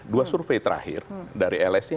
dua survei terakhir dari lsi